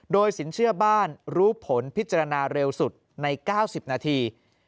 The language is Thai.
โดยสินเชื่อบ้านรู้ผลพิจารณาเร็วสุดใน๙๐นาที